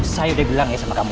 saya udah bilang ya sama kamu